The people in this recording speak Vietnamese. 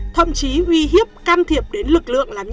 thậm chí uy hiếp can thiệp đến lực